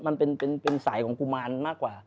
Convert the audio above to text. มันเป็นสายของกุมารมากกว่า